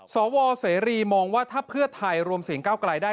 สวเสรีมองว่าถ้าเพื่อไทยรวมเสียงเก้าไกลได้